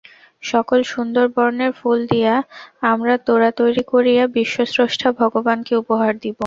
সকল সুন্দর বর্ণের ফুল দিয়া আমরা তোড়া তৈরী করিয়া বিশ্বস্রষ্টা ভগবানকে উপহার দিব।